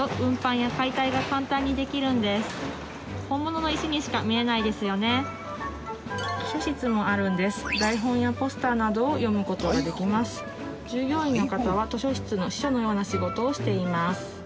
本物の石にしか見えないですよねをしています